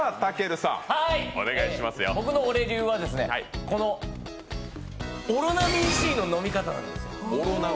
僕のオレ流は、このオロナミンＣの飲み方なんです。